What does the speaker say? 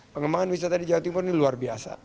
pengembangan wisata di jawa timur ini luar biasa